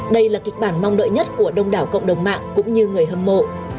đây là kịch bản mong đợi nhất của đông đảo cộng đồng mạng cũng như người hâm mộ